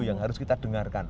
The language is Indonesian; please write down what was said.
yang harus kita dengarkan